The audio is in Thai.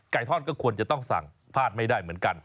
ทอดก็ควรจะต้องสั่งพลาดไม่ได้เหมือนกัน